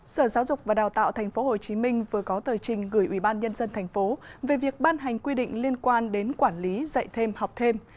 sở giáo dục và đào tạo tp hcm vừa có tờ trình gửi ubnd tp về việc ban hành quy định liên quan đến quản lý dạy thêm học thêm